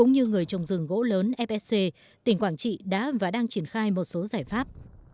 như người trồng rừng gỗ lớn fsc tỉnh quảng trị đã và đang triển khai một số giải pháp